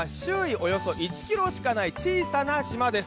およそ１ｋｍしかない小さな島です。